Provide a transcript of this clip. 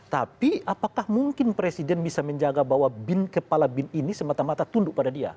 tapi apakah mungkin presiden bisa menjaga bahwa bin kepala bin ini semata mata tunduk pada dia